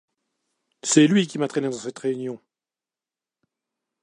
C'est lui qui m'a traîné dans cette réunion.